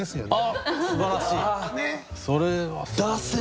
すばらしい。